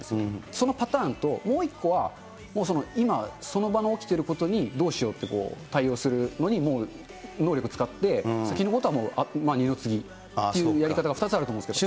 そのパターンともう１個は、今その場で起きていることにどうしようって対応するのに、もう能力を使って、先のことはもう、二の次っていうやり方が２つあると思うんですよ。